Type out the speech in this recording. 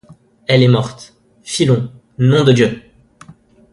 Elle est morte, filons, nom de Dieu !